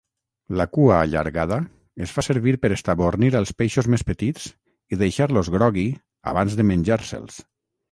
La cua allargada es fa servir per estabornir els peixos més petits i deixar-los grogui abans de menjar-se'ls.